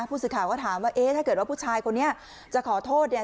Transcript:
ผู้สื่อข่าวก็ถามว่าเอ๊ะถ้าเกิดว่าผู้ชายคนนี้จะขอโทษเนี่ย